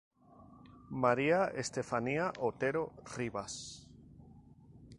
María Estefanía Otero Rivas